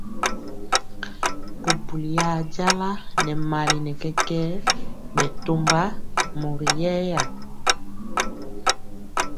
Bubuliya jala nɛ mali nɛ kɛkɛɛ bɛ tɔmba mori yɛya.